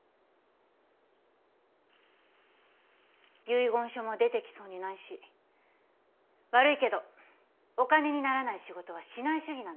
遺言書も出てきそうにないし悪いけどお金にならない仕事はしない主義なの。